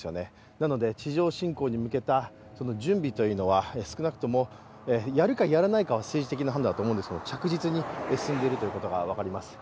なので地上侵攻に向けた準備というのは少なくともやるか、やらないかは政治的な判断だと思いますが、着実に進んでいることが分かります。